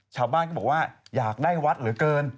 ชาวบ้านก็บอกว่าอยากได้วัดเหลือเกิน